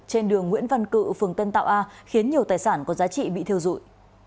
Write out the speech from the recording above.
trên đường nguyễn văn cự phường tân tạo a khiến nhiều tài sản có giá trị bị thiêu dụi